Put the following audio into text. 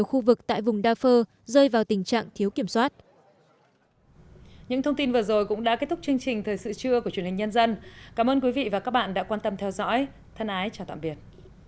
thân ái chào tạm biệt